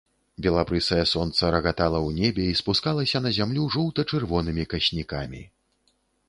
Белабрысае сонца рагатала ў небе і спускалася на зямлю жоўта-чырвонымі каснікамі.